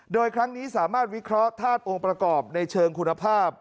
โดยครั้งนี้สามารถวิเคราะห์ธาตุองค์ประกอบในเชิงคุณภาพ